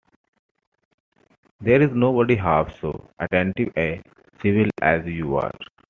There is nobody half so attentive and civil as you are.